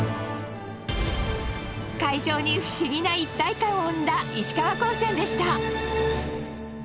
会場に不思議な一体感を生んだ石川高専でした。